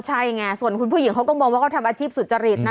ใช่ไงส่วนคุณผู้หญิงเขาก็มองว่าเขาทำอาชีพสุจริตนะ